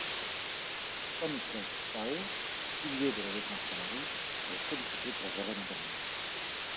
Stanislas Staho, pilier de la défense canaris, est sollicité pour gérer l'intérim.